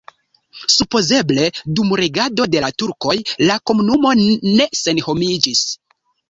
Supozeble dum regado de la turkoj la komunumo ne senhomiĝis.